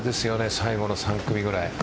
最後の３組くらい。